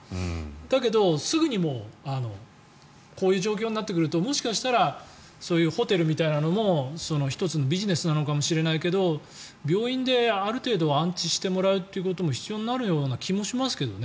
だけど、すぐにこういう状況になってくるともしかしたらそういうホテルみたいなのも１つのビジネスなのかもしれないけど病院で、ある程度は安置してもらうことも必要になるような気もしますけどね。